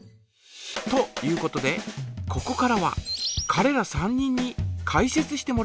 ということでここからはかれら３人にかい説してもらいましょう。